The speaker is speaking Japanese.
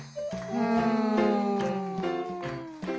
うん。